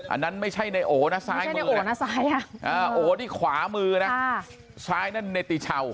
อันนั้นไม่ใช่ในโอนะซ้ายมือโอนี่ขวามือนะซ้ายนั่นเนติชาว